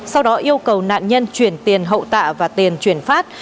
sau đó yêu cầu nạn nhân chuyển tiền hậu tạ và tiền chuyển phát